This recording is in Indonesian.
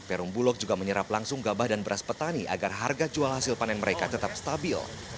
perum bulog juga menyerap langsung gabah dan beras petani agar harga jual hasil panen mereka tetap stabil